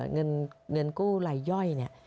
เงินกู้รายย่อยเนี่ย